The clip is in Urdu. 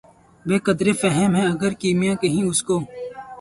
بہ قدرِ فہم ہے اگر کیمیا کہیں اُس کو